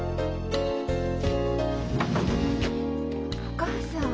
お母さん。